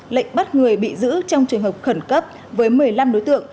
lệnh bắt người bị giữ trong trường hợp khẩn cấp với một mươi năm đối tượng